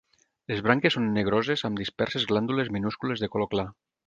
Les branques són negroses amb disperses glàndules minúscules de color clar.